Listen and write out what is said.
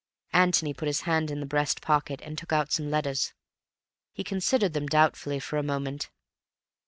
Antony put his hand in the breast pocket and took out some letters. He considered them doubtfully for a moment.